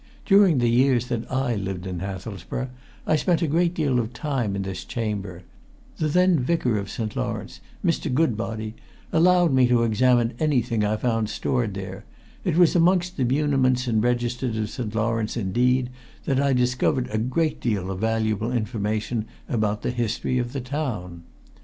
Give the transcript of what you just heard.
During the years that I lived in Hathelsborough I spent a great deal of time in this chamber the then vicar of St. Lawrence, Mr. Goodbody, allowed me to examine anything I found stored there it was amongst the muniments and registers of St. Lawrence, indeed, that I discovered a great deal of valuable information about the history of the town.